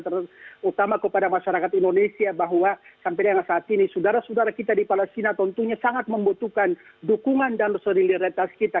terutama kepada masyarakat indonesia bahwa sampai dengan saat ini saudara saudara kita di palestina tentunya sangat membutuhkan dukungan dan solidaritas kita